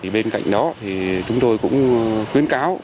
bên cạnh đó chúng tôi cũng khuyến cáo